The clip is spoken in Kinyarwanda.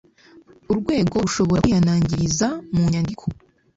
Urwego rushobora kwihanangiriza mu nyandiko